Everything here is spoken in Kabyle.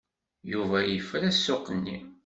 Yuba yefra ssuq-nni.